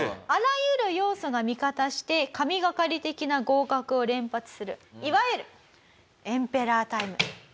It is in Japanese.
あらゆる要素が味方して神がかり的な合格を連発するいわゆるエンペラータイム。